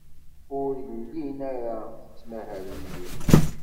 Ur llin ara ttmahalen din.